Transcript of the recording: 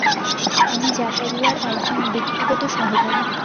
আমি জাকারিয়ার একজন ব্যক্তিগত সহকারী!